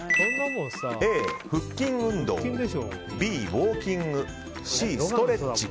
Ａ、腹筋運動Ｂ、ウォーキングＣ、ストレッチ。